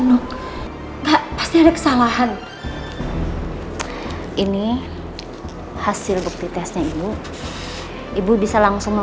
dan di sini saya bisa menemukan adanya indikasi bahwa ibu dewi mengidap kanker di rahim ibu dewi